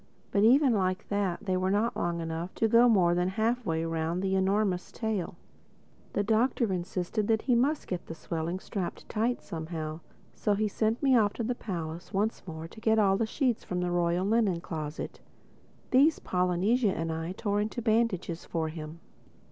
But even like that, they were not long enough to go more than halfway round the enormous tail. The Doctor insisted that he must get the swelling strapped tight somehow. So he sent me off to the palace once more to get all the sheets from the Royal Linen closet. These Polynesia and I tore into bandages for him.